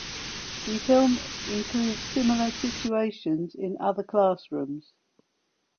The film includes similar situations in other classrooms.